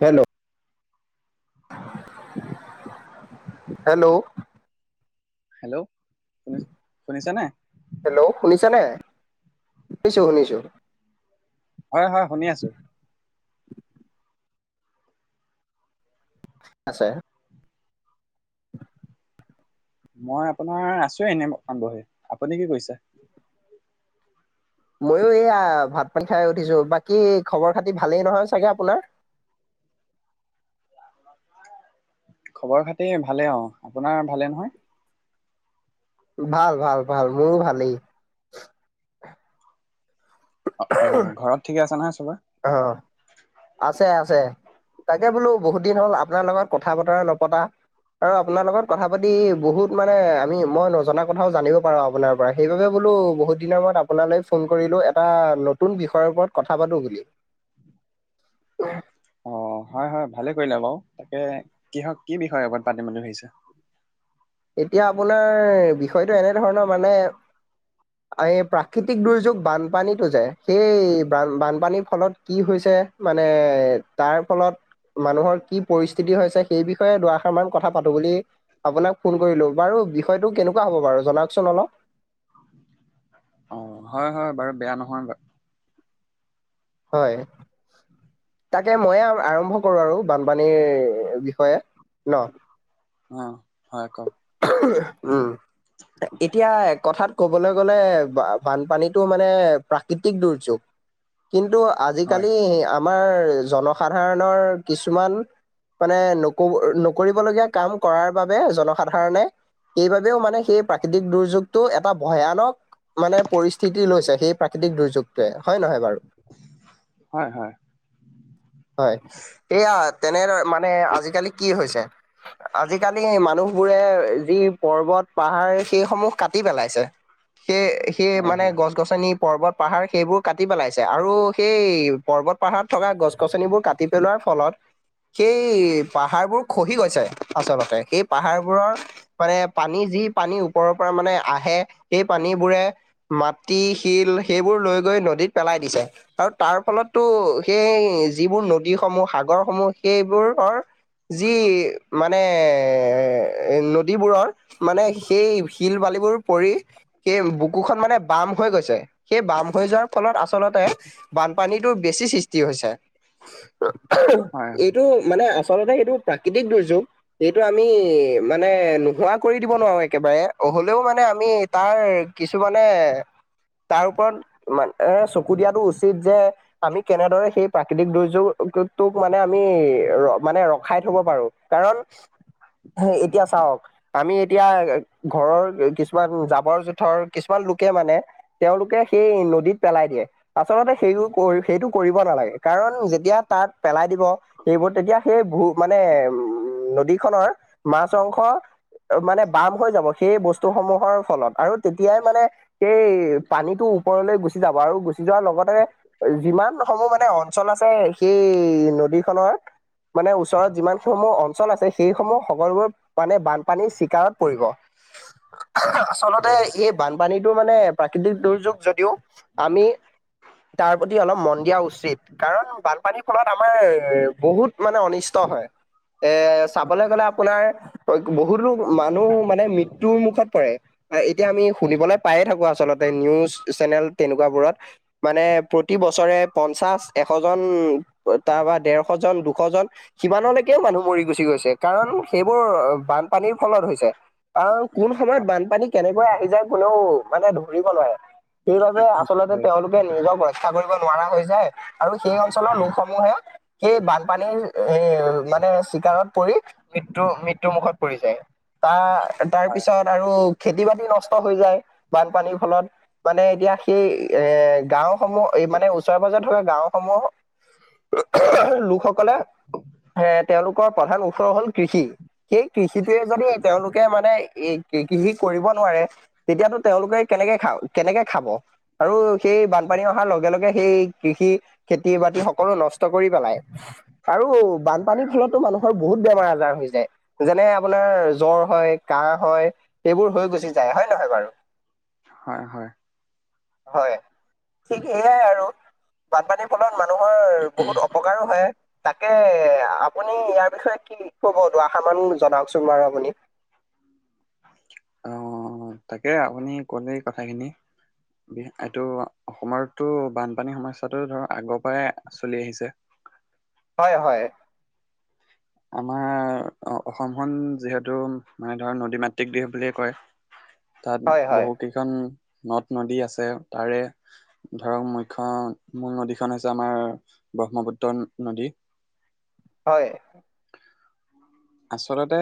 Hello hello hello শুনি শুনিছানে hello শুনিছা নাই শুনিছো শুনিছো হয় হয় শুনি আছো আছে মই আপোনাৰ আছোঁ এনেই অকমান বহি আপুনি কি কৰিছে ময়ো এইয়া ভাত পানী খাই উঠিছো বাকী খবৰ খাতি ভালেই নহয় চাগে আপোনাৰ খবৰ খাতি ভালে অ আপোনাৰ ভালে নহয় ভাল ভাল ভাল মোৰো ভালেই অ অ ঘৰত ঠিকে আছে নহয় চবৰে অ অ আছে আছে, তাকে বোলো বহুত দিন হ'ল আপোনাৰ লগত কথা বতৰা নপতা। আৰু আপোনাৰ লগত কথা পাতি বহুত মানে আমি মই নজনা কথাও জানিব পাৰো আপোনাৰ পৰা সেইবাবে বোলো বহুত দিনৰ মূত আপোনালৈ ফোন কৰিলো এটা নতুন বিষয়ৰ ওপৰত কথা পাতো বুলি। উমঃ অ হয় হয় ভালে কৰিলা বাৰু, তাকে কিহক কি বিষয়ে ওপৰত পাতিম বুলি ভাবিছা? এতিয়া আপোনাৰ বিষয়টো এনেধৰণৰ মানে এই প্ৰাকৃতিক দুৰ্যোগ বানপানীত হৈ যায়, সেই বানপানীৰ ফলত কি হৈছে। মানে তাৰ ফলত মানুহৰ কি পৰিস্থিতি হৈছে সেই বিষয়ে দুইআষাৰ মান কথা পাতো বুলি আপোনাক ফোন কৰিলো, বাৰু বিষয়টো কেনেকুৱা হ'ব বাৰু জনাওকচোন অলপ। অ হয় হয় বাৰু বেয়া নহয় বাৰু হয়। তাকে মইয়ে আৰম্ভ কৰো আৰু বানপানীৰ বিষয়ে ন? অঁ হয় কওক। উম, এতিয়া কথা ক'বলৈ গ'লে বানপানীটো মানে প্ৰাকৃতিক দুৰ্যোগ কিন্তু হয় আজিকালি আমাৰ জনসাধাৰণৰ কিছুমান মানে নকব নকৰিবলগীয়া কাম কৰাৰ বাবে জন সাধাৰণে সেইবাবেও মানে সেই প্ৰাকৃতিক দুৰ্যোগটো এটা ভয়ানক মানে পৰিস্থিতি লৈছে সেই প্ৰাকৃতিক দুৰ্যোগটোৱে হয় নহয় বাৰু। হয় হয় হয়, এইয়া তেনে মানে আজিকালি কি হৈছে আজিকালি মানুহ বোৰে যি পৰ্বত পাহাৰ সেইসমূহ কাটি পেলাইছে সেই এই হয় মানে হয় গছ গছনিৰ পৰ্বত পাহাৰ সেইবোৰ কাটি পেলাই আৰু সেই পৰবত পাহাৰত থকা গছ গছনিবোৰ কাটি পেলোৱাৰ ফলত সেই পাহাৰবোৰ খহি গৈছে আচলতে সেই পাহাৰবোৰৰ মানে পানী যি পানী ওপৰৰ পৰা মানে আহে সেই পানীবোৰে মাটি শিল সেইবোৰ লৈ গৈ নদীত পেলাই দিছে আৰু তাৰ ফলততো সেই যিবোৰ নদীসমূহ সাগৰসমূহ সেইবোৰৰ যি মানে এ নদীবোৰৰ মানে সেই শিল বালিবোৰ পৰি সেই বুকুখন মানে বাম হৈ গৈছে সেই বাম হৈ যোৱাৰ ফলত আচলতে বানপানীটো বেছি সৃষ্টি হৈছে। হয় এইটো মানে আচলতে এইটো প্ৰাকৃতিক দুৰ্যোগ এইটো আ মি মানে নোহোৱা কৰি দিব নোৱাৰো একেবাৰে অহ'লেও মানে আমি তাৰ কিছুমানে তাৰ ওপৰত মান এ চকু দিয়াটো উচিত যে আমি কেনেদৰে সেই প্ৰাকৃতিক দুৰ্যোগটোক মানে আমি মানে ৰখাই থব পাৰো। কাৰণ হেই এতিয়া চাওক আমি এতিয়া ঘৰৰ কিছুমান জাবৰ জোথৰ কিছুমান লোকে মানে তেওঁলোকে সেই নদীত পেলাই দিয়ে। আচলতে সেই সেইটো কৰিব নালাগে কাৰণ যেতিয়া তাত পেলাই দিব এইবোৰ তেতিয়া সেই ভূ মানে উমম নদীখনৰ মাছ অংশ মানে বাম হৈ যাব সেই বস্তুসমূহৰ ফলত আৰু তেতিয়াই মানে সেই পানীটো ওপৰলৈ গুচি যাব আৰু গুচি যোৱাৰ লগতে যিমান সমূহ মানে অঞ্চল আছে সেই নদী খনৰ মানে ওচৰত যিমান সমূহ অঞ্চল আছে সেইসমূহ সকলোবোৰ মানে বানপানীৰ চিকাৰত পৰিব, আহা হয় আচলতে এই বানপানীটো মানে প্ৰাকৃতিক দুৰ্যোগ যদিও আমি তাৰ প্ৰতি অলপ মন দিয়া উচিত। কাৰণ বানপানীৰ ফলত আমাৰ বহুত মানে অনিষ্ট হয়। এ চাবলৈ গ'লে আ পোনাৰ [unintelligible] বহুতো মানুহ মানে মৃত্যুৰ মুখত পৰে। আ এতিয়া আমি শুনিবলৈ পায়ে থাকো আচলতে নিউজ চেনেল তেনেকুৱাবোৰত। মানে প্ৰতি বছৰে পঞ্চাশ, এশ জন অ তাৰপৰা ডেৰশজন, দুশজন সিমানলৈকে মানুহ মৰি গুচি গৈছে কাৰণ সেইবোৰ বানপানীৰ ফলত হৈছে। আৰু কোন সময়ত বানপানী কেনেকৈ আহি যায় কোনেও মানে ধৰিব নোৱাৰে। সেইবাবে আচলতে হয় তেওঁলোকে নিজক ৰক্ষা কৰিব নোৱাৰা হৈ যায় আৰু সেই অঞ্চলৰ লোকসমূহে সেই বানপানীৰ এ মানে চিকাৰত পৰি মৃত্যু মৃত্যু মুখত পৰি তা হয় তাৰপিছত আৰু খেতি - বাতি নষ্ট হৈ যায় বানপানীৰ ফলত। মানে এতিয়া সেই এ গাওসমূহ এই মানে ওচৰে - পাজৰে থকা গাওঁসমূহ অ অহ, লোকসকলে এ তেওঁলোকৰ প্ৰধান ওচৰ হ'ল কৃষি সেই কৃষিটোয়ে যদি তেওঁলোকে মানে এ কৃষি কৰিব নোৱাৰে। তেতিয়াতো তেওঁলোকে কেনেকে খা কেনেকে খাব? আৰু সেই বানপানী অহাৰ লগে লগে সেই কৃষি খেতি - বাতি সকলো নষ্ট কৰি পেলায় আৰু বানপানীৰ ফলতো মানুহৰ বহুত বেমাৰ আ জাৰ হৈ যায়, যেনে আপোনাৰ জ্বৰ হয়, কাঁহ হয়। সেইবোৰ হৈ গুচি যায়। হয়নে নহয় বাৰু? হয়, হয়। হয়, ঠিক সেয়াই আৰু। বানপানীৰ ফলত মানুহৰ বহুত অপকাৰো হয়। তাকে আপুনি ইয়াৰ বিষয়ে কি কব দুআশাৰ মান জনাওঁকচোন বাৰু আপুনি? অ, তাকে আপুনি ক'লেই কথাখিনি বি এইটো অসমৰটো বানপানী সমস্যাটো ধৰ আগৰ পৰাই চলি আহিছে। হয়, হয়। আমাৰ অ-অসমখন যিহেতু মানে ধৰ নদী মাতৃক দেশ বুলিয়ে কয়। তাত হয় হয় বহু কেইখন নদ - নদী আছে তাৰে ধৰক মুখ্য মূল নদীখন হৈছে আমাৰ ব্ৰহ্মপুত্ৰ নদী। হয়। আচলতে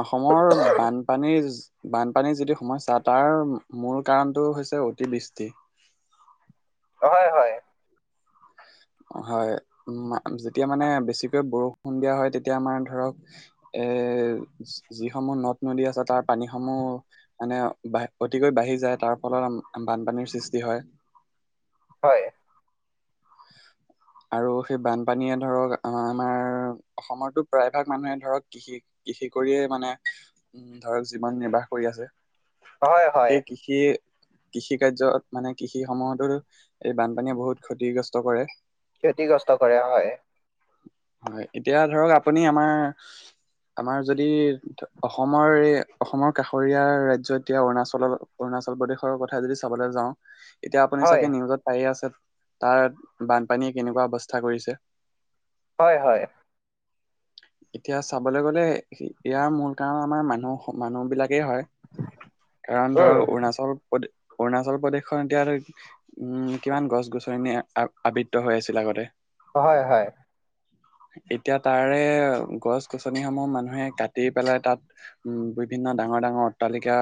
অসমৰ বানপানীৰ বানপানীৰ যিটো সমস্যা তাৰ মূল কাৰণটো হৈছে অতিবৃষ্টি। অ হয়, হয়। অ, হয়। উম, মা যেতিয়া মানে বেছিকৈ বৰষুণ দিয়া হয় তেতিয়া আমাৰ ধৰক এ যি-যিসমূহ নদ - নদী আছে তাৰ পানীসমূহ মানে বা অতিকৈ বাঢ়ি যায় তাৰ ফলত বানপানীৰ সৃষ্টি হয়। হয়। আৰু সেই বানপানীয়ে ধৰক আমাৰ অসমৰতো প্ৰায় ভাগ মানুহে ধৰক কৃষি-কৃষি কৰিয়ে মানে উম ধৰক জীৱন নিৰ্বাহ কৰি আছে। হয় হয় সেই কৃ [unintelligible] কৃষিকাৰ্যত মানে কৃষিসমূহতো এই বানপানীয়ে বহুত ক্ষতিগ্ৰস্ত কৰে। ক্ষতিগ্ৰস্ত কৰে হয়। হয়। এতিয়া ধৰক আপুনি আমাৰ আমাৰ যদি অসমৰ এ অসমৰ কাষৰীয়া ৰাজ্যত এতিয়া অৰুণাচলৰ অৰুণাচল প্ৰদেশৰ কথা যদি চাবলৈ যাওঁ এতিয়া আপুনি হয় চাগে নিউজত পায়ে আছে, তাৰ বানপানীয়ে কেনেকুৱা অৱস্থা কৰিছে। হয়, হয়। এতিয়া চাবলৈ গ'লে সি, ইয়াৰ মূল কাৰণ আমাৰ মানুহ-মানুহবিলাকেই হয়। [inaudible] কাৰণ উম ধৰক অৰুণাচল প্ৰদে অৰুণাচল প্ৰদেশখন এতিয়া আৰু, উম, কিমান গছ গছনিয়ে আ-আবৃত হৈ আছিল আগতে। অ', হয়, হয়। এতিয়া তাৰে গছ গছনিসমূহ মানুহে কাটি পেলাই তাত উম, বিভিন্ন ডাঙৰ ডাঙৰ অট্টালিকা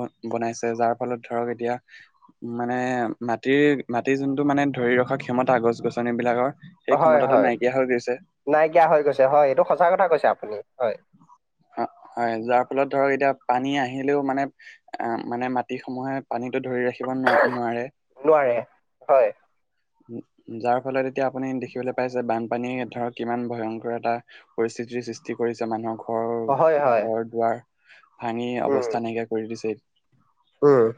ব-বনাইছে, যাৰ ফলত ধৰক এতিয়া মানে মাটিৰ-মাটিৰ যোনটো মানে ধৰি ৰখা ক্ষমতা গছ গছনিবিলাকৰ সেই হয় ক্ষমতাটো হয় নাই নাইকিয়া হৈ গৈছে, হয়। এইটো সঁচা কথা কৈছে আপুনি, হয়। অ, হয়। যাৰ ফলত ধৰক এতিয়া পানী আহিলেও মানে, অ', মানে মাটিসমূহে পানীটো ধৰি ৰাখিব নোৱা-নোৱাৰে। নোৱাৰে হয় যাৰ ফলত এতিয়া আপুনি দেখিবলৈ পাইছে বানপানীয়ে ধৰক কিমান ভয়ংকৰ এটা পৰিস্থিতিৰ সৃষ্টি কৰিছে মানুহৰ ঘ ঘৰৰ, হয় হয় ঘৰ-দুৱাৰ ভাঙি উম অৱস্থা নাইকিয়া কৰি দিছিল। উম।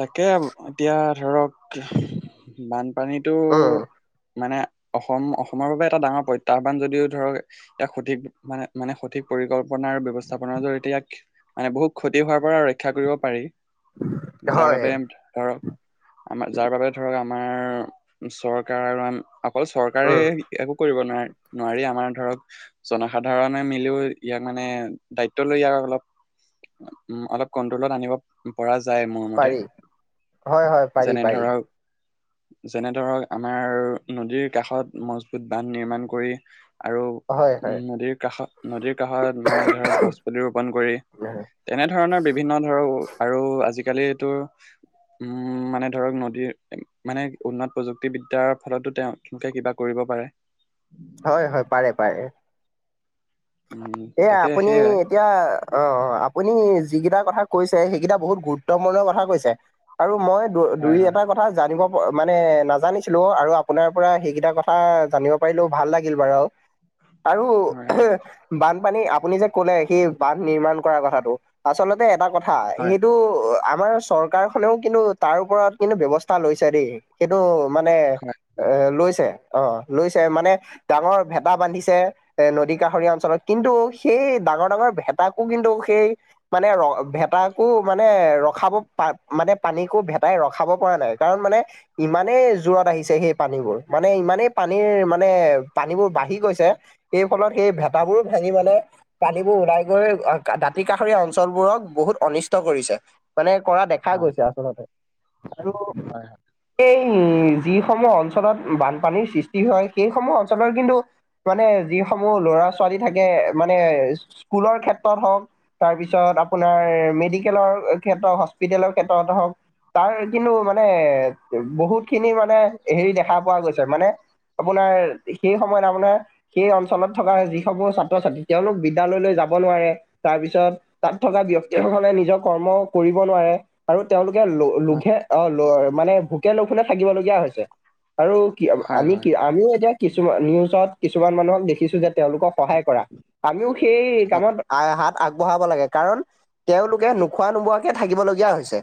তাকে এতিয়া ধৰক বানপানীতো উম মানে অসম-অসমৰ বাবে এটা ডাঙৰ প্ৰত্যাহ্বান যদিও ধৰক, এটা সঠিক মানে মানে সঠিক পৰিকল্পনাৰ ব্যৱস্থাপনাৰ জৰিয়তে ইয়াক মানে বহুত ক্ষতি হোৱাৰ পৰা ৰক্ষা কৰিব পাৰি। যাৰ হয় বাবে ধৰক আমাৰ, যাৰ বাবে ধৰক আমাৰ চৰকাৰ আৰু আ [unintelligible] চৰকাৰে উম একো কৰিব নোৱাৰে, নোৱাৰি আমাৰ ধৰক জনসাধাৰণে মিলিও ইয়াক মানে দায়িত্ব লৈ ইয়াক অলপ উম, অলপ কন্ট্ৰলত আনিব পৰা যায় মোৰ মতে। পাৰি হয় হয় পাৰি যেনে পাৰি ধৰক যেনে ধৰক আমাৰ নদীৰ কাষত মজবুত বান্ধ নিৰ্মাণ কৰি আৰু হয় হয় নদীৰ কাষত, নদীৰ কাষত মানে ধৰক গছ পুলি ৰোপন কৰি তেনেধৰণৰ বিভিন্ন ধৰক আৰু আজিকালিটো উম, মানে ধৰক নদীৰ মানে উন্নত প্ৰযুক্তিবিদ্যাৰ ফলতো তেওঁ [unintelligible] কিবা কৰিব পাৰে। হয়, হয়, পাৰে পাৰে। উম এয়া, তাকে আপুনি সেয়াই এতিয়া অ', অ', আপুনি যিকেইটা কথা কৈছে সেইকেইটা বহুত গুৰুত্বপূৰ্ণ কথা কৈছে আৰু মই হয় দু-দুই হয় এটা কথা কথা জানিব, মানে নাজানিছিলোঁ আৰু আপোনাৰ পৰা সেইকেইটা কথা জানিব পাৰিলো ভাল লাগিল বাৰু। আৰু হয় বানপানী আপুনি যে কলে সেই বান্ধ নিৰ্মাণ কৰাৰ কথাটো, আচলতে এটা কথা [unintelligible] হয় এইটো আমাৰ চৰকাৰখনেও কিন্তু তাৰ ওপৰত কিন্তু ব্যৱস্থা লৈছে দেই, কিন্তু মানে হয় অ লৈছে। অ, লৈছে মানে ডাঙৰ ভেটা বান্ধিছে, এ নদী কাষৰীয়া অঞ্চলত কিন্তু সেই ডাঙৰ ডাঙৰ ভেতাকো কিন্তু সেই মানে ৰ ভেতাকো মানে ৰখাব পা মানে পানীকো ভেটাই ৰখাব পৰা নাই, কাৰণ মানে ইমানেই জোৰত আহিছে সেই পানীবোৰ, মানে ইমানেই পানীৰ মানে পানীবোৰ বাঢ়ি গৈছে, সেই ফলত সেই ভেতাবোৰ ভাঙি মানে পানীবোৰ ওলাই [unintelligible] দাঁতি কাষৰীয়া অঞ্চল বোৰক বহুত অনিষ্ট কৰিছে মানে কৰা দেখা গৈছে আচলতে আৰু হয় হয়। এই যিসমূহ অঞ্চলত বানপানীৰ সৃষ্টি হয়, সেইসমূহ অঞ্চলৰ কিন্তু মানে যিসমূহ ল'ৰা ছোৱালী থাকে মানে স্কুলৰ ক্ষেত্ৰত হওক তাৰপিছত আপোনাৰ মেডিকেলৰ ক্ষেত্ৰত হস্পিটেলৰ ক্ষেত্ৰত হওক তাৰ কিন্তু মানে বহুতখিনি মানে হেৰি দেখা পোৱা গৈছে মানে আপোনাৰ সেই সময়ত আপোনাৰ সেই অঞ্চলত থকা যি সমূহ ছাত্ৰ-ছাত্ৰী তেওঁলোক বিদ্যালয়লৈ যাব নোৱাৰে। তাৰপিছত তাত থকা ব্যক্তিসকলে নিজৰ কৰ্ম কৰিব নোৱাৰে। আৰু তেওঁলোকে ল হয় লোঘে অ, ল মানে ভোকে লঘোনে থাকিবলগীয়া হৈছে আৰু কি হয় হয় আমি কি হয় আমিও এতিয়া কিছুমান নিউজত কিছুমান মানুহক দেখিছো যে তেওঁলোকক সহায় কৰা, আমিও সেই কামত হাত আগবঢ়াব লাগে কাৰণ তেওঁলোকে নোখোৱা নোবোৱাকে থাকিবলগীয়া হৈছে,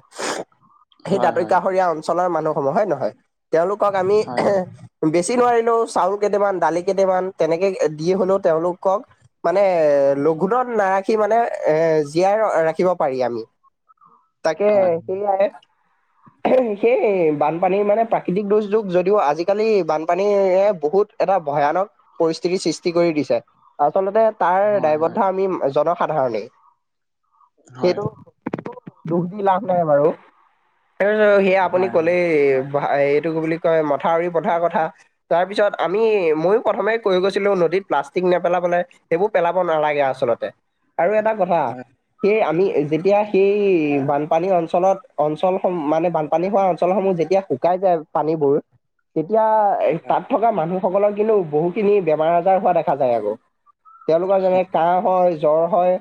সেই হয় হয় দাতিকাষৰীয়া নিশ্চয় অঞ্চলৰ মানুহ সম হয় নহয়? তেওঁলোকক আমি হয় বেছি নোৱাৰিলেও চাউল কেইটামান দালি কেইটামান তেনেকে দি হলেও তেওঁলোকক মানে লঘোণত নাৰাখি মানে এ জীয়াই ৰাখিব পাৰি আমি। তাকে হয় সেইয়াই। সেই বানপানীৰ মানে প্ৰাকৃতিক দুৰ্যোগ যদিও আজিকালি বানপানী এ বহুত এটা ভয়ানক পৰিস্থিতিৰ সৃষ্টি কৰি দিছে। আচলতে তাৰ হয় হয় দায়বদ্ধ আমি জনসাধাৰণেই। হয় সেইটো দুখ দি লাভ নাই বাৰু। তাৰিছত সেয়া আপুনি হয় হয় ক'লে এ এইটো কি বুলি কয় মথাউৰি পথাৰ কথা। তাৰপিছত আমি ময়ো প্ৰথমে কৈ গৈছিলোঁ নদীত প্লাছ প্লাষ্টিক নেপেলাবলৈ সেইবোৰ পেলাব নালাগে আচলতে আৰু এটা কথা হয় সেইয়ে আমি যেতিয়া সেই বানপানী অঞ্চলত অঞ্চলসম মানে বানপানী হোৱা অঞ্চলসমূহ যেতিয়া শুকাই যায় পানীবোৰ তেতিয়া হয় তাত থকা মানুহসকলৰ কিন্তু বহুখিনি বেমাৰ আজাৰ হোৱা দেখা যায় আকৌ। তেওঁলোকৰ যেনে কাহ হয় জ্বৰ হয়,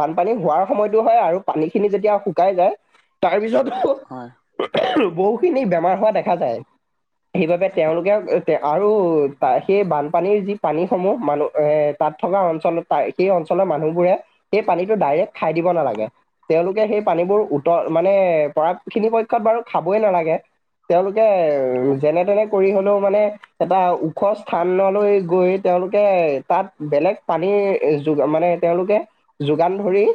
বানপানী হোৱাৰ সময়তো হয় আৰু পানীখিনি যেতিয়া শুকাই যায় তাৰপিছতো হয়। বহুখিনি বেমাৰ হোৱা দেখা যায়। সেইবাবে তেওঁলোকে আৰু ত সেই বানপানীৰ যি পানী সমূহ মানুহ এ তাত থকা অঞ্চল ত সেই অঞ্চলৰ মানুহবোৰে সেই পানীটো ডাইৰেক্ট খাই দিব নালাগে। তেওঁলোকে সেই পানীবোৰ উতল মানে পৰা পক্ষত সেইখিনি বাৰু খাবই নালাগে। তেওঁলোকে যেনে তেনে কৰি হ'লেও মানে এটা ওখ স্থানলৈ গৈ তেওঁলোকে তাত বেলেগ পানীৰ যো মানে তেওঁলোকে যোগান ধৰি।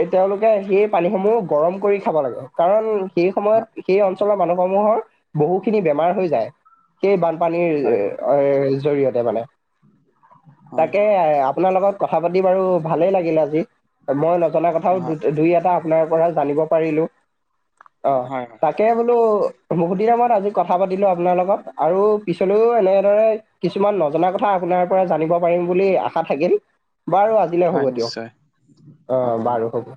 এই তেওঁলোকে সেই পানীসমূহ গৰম কৰি খাব লাগে, কাৰণ সেই হয় সময়ত সেই অঞ্চলৰ মানুহ সমূহৰ বহুখিনি বেমাৰ হৈ যায়। সেই বানপানীৰ হয় এৰ জৰিয়তে মানে। হয় তাকে আপোনাৰ লগত কথা পাতি বাৰু ভালেই লাগিল আজি। মই নজনা কথাও হয় দুই এটা আপোনাৰ পৰা জানিব পাৰিলোঁ। অ হয় তাক তাকে বোলো বহুত দিনৰ মুৰত আজি কথা পাতিলোঁ আপোনাৰ লগত। আৰু পিছলৈও এনেদৰে কিছুমান নজনা কথা আপোনাৰ পৰা জানিম পাৰিম বুলি আশা থাকিল। বাৰু আজিলৈ হয় হ'ব দিয়ক। নিশ্চয় অ' বাৰু হ'ব।